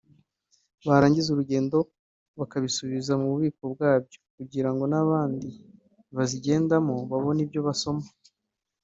barangiza urugendo bakabisubiza mu bubiko bwabyo kugira ngo n’abandibazigendamo babone ibyo basoma